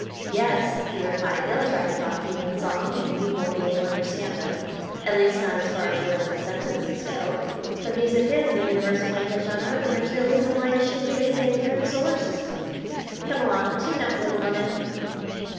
"Yes," he replied; "they'll try to talk to you in song, and you won't be able to understand them; at least, not as far as words and sentences go. But music is the universal language on Earth, and there's no reason why it shouldn't be the same through the Solar System. Come along, tune up, little woman!"